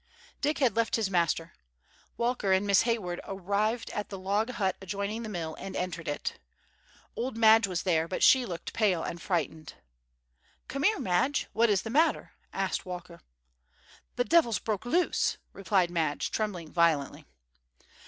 Dick had left his master. Walker and Miss Hayward arrived at the log hut adjoining the mill, and entered it. Old Madge was there, but she looked pale and frightened. "Come here, Madge. What is the matter?" asked Walker. "The devil's broke loose!" replied Madge, trembling violently.